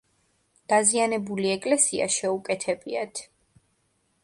დაზიანებული ეკლესია შეუკეთებიათ.